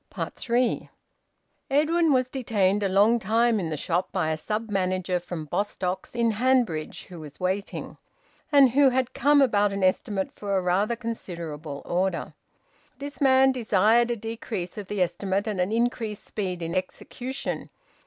THREE. Edwin was detained a long time in the shop by a sub manager from Bostocks in Hanbridge who was waiting, and who had come about an estimate for a rather considerable order. This man desired a decrease of the estimate and an increased speed in execution.